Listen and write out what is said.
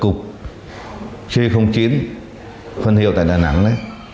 cũng như là cục c chín phân hiệu tại đà nẵng đấy